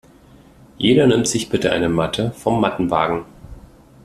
Jeder nimmt sich bitte eine Matte vom Mattenwagen.